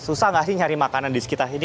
susah nggak sih nyari makanan di sekitar sini